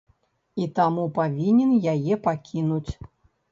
І таму павінен яе пакінуць.